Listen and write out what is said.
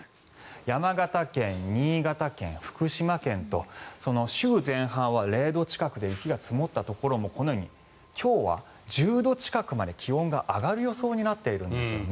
山形県、新潟県、福島県と週前半は０度近くで雪が積もったところもこのように今日は１０度近くまで気温が上がる予想になっているんですよね。